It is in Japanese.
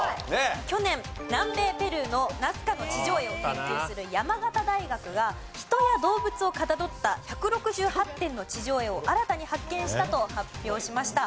去年南米ペルーのナスカの地上絵を研究する山形大学が人や動物をかたどった１６８点の地上絵を新たに発見したと発表しました。